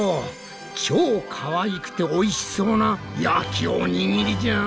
超かわいくておいしそうな焼きおにぎりじゃん。